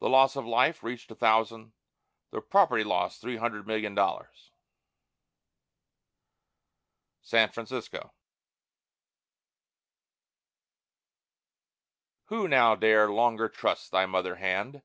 The loss of life reached a thousand, the property loss three hundred million dollars. SAN FRANCISCO Who now dare longer trust thy mother hand?